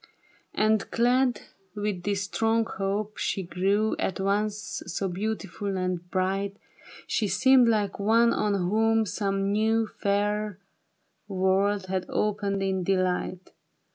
And clad with this strong hope, she grev/ At once so beautiful and bright, She seemed like one on whom some new Fair world had opened in delight.